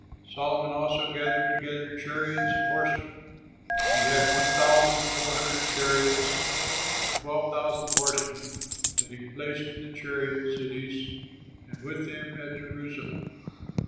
Solomon also gathered together chariots and horsemen; he had one thousand four hundred chariots and twelve thousand horsemen that he placed in the chariot cities and with him at Jerusalem.